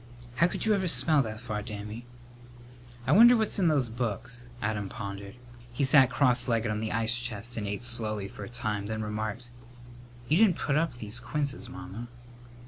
"How could you ever smell that far, Dammy?" "I wonder what's in those books?" Adam pondered. He sat cross legged on the ice chest and ate slowly for a time, then remarked, "You didn't put up these quinces, Mamma."